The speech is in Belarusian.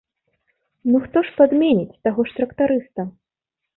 Ну хто ж падменіць таго ж трактарыста?